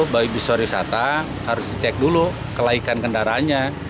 bagi biswa wisata harus dicek dulu kelaikan kendaraannya